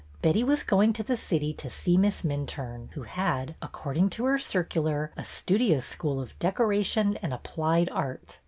Betty was going to the city to see Miss Min turne, who had, according to her circular, a studio school of Decoration and Applied Art.